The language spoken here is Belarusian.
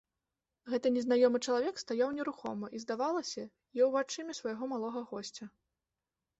Гэты незнаёмы чалавек стаяў нерухома і, здавалася, еў вачыма свайго малога госця.